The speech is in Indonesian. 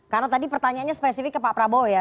karena tadi pertanyaannya spesifik ke pak prabowo ya